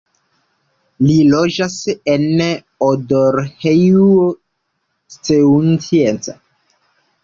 Li loĝas en Odorheiu Secuiesc.